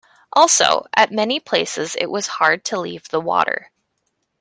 Also, at many places it was hard to leave the water.